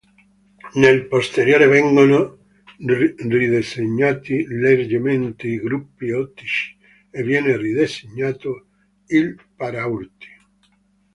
Nel posteriore vengono ridisegnati leggermente i gruppi ottici e viene ridisegnato il paraurti.